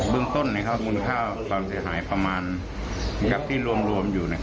เรื่องต้นมูลค่าความเสียหายประมาณกับที่รวมอยู่